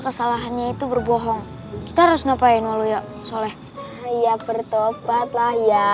kesalahannya itu berbohong kita harus ngapain walaunya soleh ya bertobatlah ya